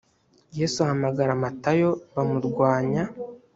yesu ahamagara matayo bamurwanya